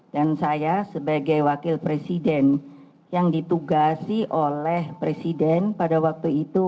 dan saya sebagai wakil presiden yang ditugasi oleh presiden pada waktu itu